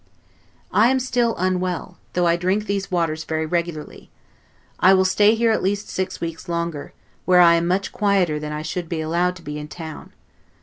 I am still UNWELL, though I drink these waters very regularly. I will stay here at least six weeks longer; where I am much quieter than I should be allowed to be in town.